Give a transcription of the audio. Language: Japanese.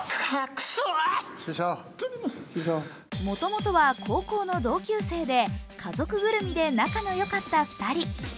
もともとは高校の同級生で家族ぐるみで仲の良かった２人。